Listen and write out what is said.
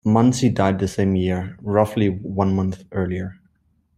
Monsey died the same year, roughly one month earlier.